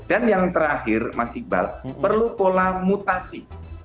dan yang terakhir mas iqbal perlu pola mutasi